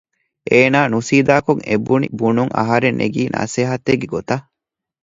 އޭނާ ނުސީދާކޮށް އެ ބުނި ބުނުން އަހަރެން ނެގީ ނަސޭހަތެއްގެ ގޮތަށް